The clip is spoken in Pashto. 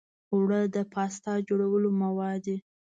اوړه د پاستا جوړولو مواد دي